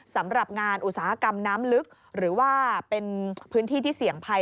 สำหรับงานอุตสาหกรรมน้ำลึกหรือว่าเป็นพื้นที่ที่เสี่ยงภัย